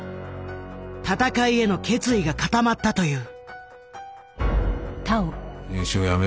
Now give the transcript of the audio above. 闘いへの決意が固まったという。